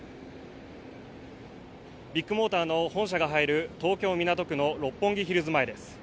ビッグモーターの本社が入る東京・港区の六本木ヒルズ前です